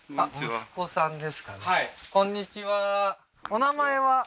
お名前は？